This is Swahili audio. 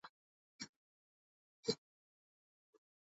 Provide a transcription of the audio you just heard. Jumamosi jioni maandamano ya hapa na pale yalizuka